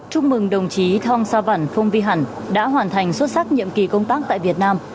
chúc mừng đồng chí thong sa văn phong vi hẳn đã hoàn thành xuất sắc nhiệm kỳ công tác tại việt nam